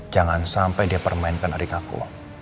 jangan sampai dia permainkan adik aku